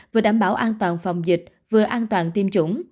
vừa đảm bảo an toàn phòng dịch vừa an toàn tiêm chủng